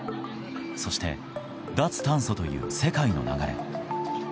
そして、脱炭素という世界の流れ。